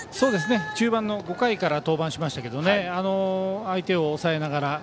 中盤の５回から登板しましたけれども相手を抑えながら。